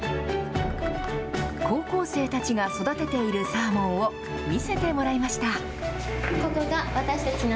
高校生たちが育てているサーモンを見せてもらいました。